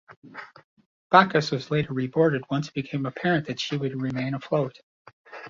"Bacchus" was later reboarded once it became apparent that she would remain afloat.